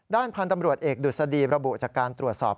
พันธุ์ตำรวจเอกดุษฎีระบุจากการตรวจสอบ